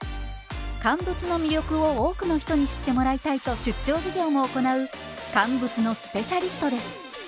乾物の魅力を多くの人に知ってもらいたいと出張授業も行う乾物のスペシャリストです。